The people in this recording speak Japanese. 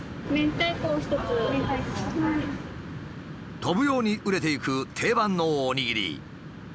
飛ぶように売れていく定番のおにぎり。